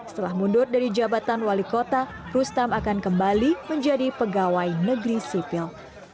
setelah mundur dari jabatan wali kota rustam akan kembali menjadi pegawai negeri sipil